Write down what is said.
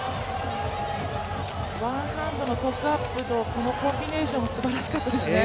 ワンハンドのトスアップと、このコンビネーション、すばらしかったですね。